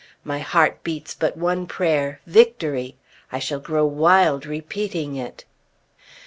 My heart beats but one prayer Victory! I shall grow wild repeating it.